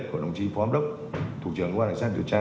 của đồng chí phó ám đốc thủ trưởng quan sát điều tra